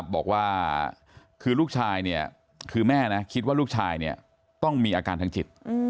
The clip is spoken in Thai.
บอกว่าคือลูกชายเนี่ยคือแม่นะคิดว่าลูกชายต้องมีอาการทางจิต